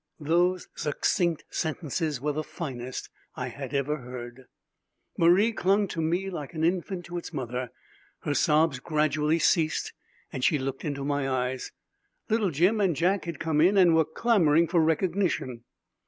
Those succinct sentences were the finest I had ever heard. Marie clung to me like an infant to its mother. Her sobs gradually ceased and she looked into my eyes. Little Jim and Jack had come in and were clamoring for recognition.